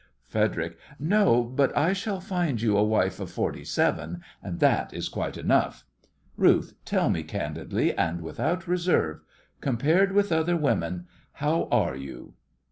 FREDERIC: No, but I shall find you a wife of forty seven, and that is quite enough. Ruth, tell me candidly and without reserve: compared with other women, how are you?